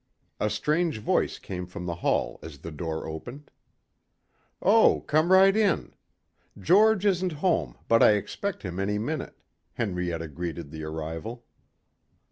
A strange voice came from the hall as the door opened. "Oh, come right in. George isn't home but I expect him any minute," Henrietta greeted the arrival.